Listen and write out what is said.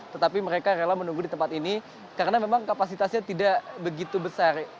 tetapi mereka rela menunggu di tempat ini karena memang kapasitasnya tidak begitu besar